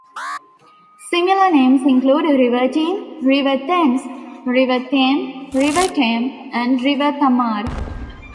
Similar names include River Team, River Thames, River Thame, River Tame and River Tamar.